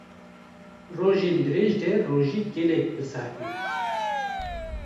rojên dirêj de rojî gelek bi zehmet e